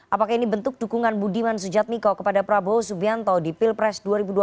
apakah ini bentuk dukungan budiman sujatmiko kepada prabowo subianto di pilpres dua ribu dua puluh